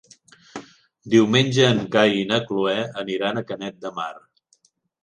Diumenge en Cai i na Cloè aniran a Canet de Mar.